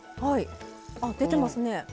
はい出てますね。